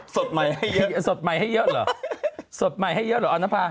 สดใหม่ให้เยอะสดใหม่ให้เยอะเหรอสดใหม่ให้เยอะเหรอออนภา